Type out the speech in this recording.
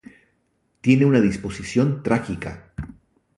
Tiene una disposición trágica.